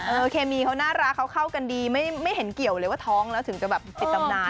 เคมีเขาน่ารักเขาเข้ากันดีไม่เห็นเกี่ยวเลยว่าท้องแล้วถึงจะแบบติดตำนาน